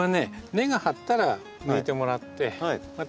根が張ったら抜いてもらってまた